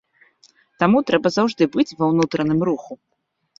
Таму трэба заўжды быць ва ўнутраным руху.